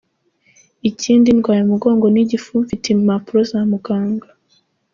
Ikindi ndwaye umugongo n’igifu mfite impapuro za muganga.”